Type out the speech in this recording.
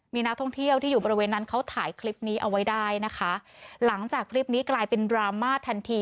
มีนักท่องเที่ยวที่อยู่บริเวณนั้นเขาถ่ายคลิปนี้เอาไว้ได้นะคะหลังจากคลิปนี้กลายเป็นดราม่าทันที